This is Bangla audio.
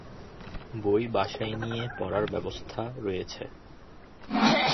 বই বাসায় নিয়ে পড়ার ব্যবস্থা রয়েছে।